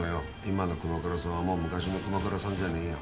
今の熊倉さんはもう昔の熊倉さんじゃねぇよ。